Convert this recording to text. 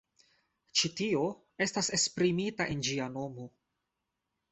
Ĉi tio estas esprimita en ĝia nomo.